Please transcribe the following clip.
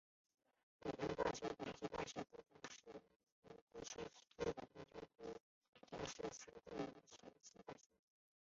樱美林大学短期大学部是过去一所位于日本东京都町田市的私立短期大学。